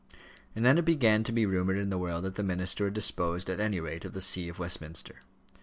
And then it began to be rumoured in the world that the minister had disposed at any rate of the see of Westminster.